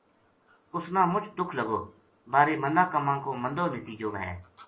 اُ س نامُچ دُکھ لگو بارے مندا کماں کو مندو نتیجو وھے